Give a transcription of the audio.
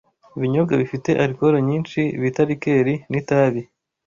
ibinyobwa bifite alikoro nyinshi bita likeri, n’itabi.